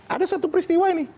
ada satu peristiwa ini